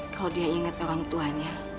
kalau dia ingat orang tuanya